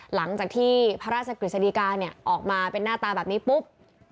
หลังจากที่พระราชกริจสันติกาออกมาเป็นหน้าตาแบบนี้ปุ๊บ